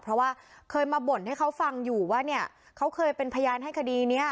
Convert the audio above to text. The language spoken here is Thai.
เพราะว่าเคยมาบ่นให้เขาฟังอยู่ว่าเนี่ยเขาเคยเป็นพยานให้คดีนี้